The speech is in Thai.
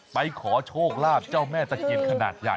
ไปขอโชคลาภเจ้าแม่ตะเคียนขนาดใหญ่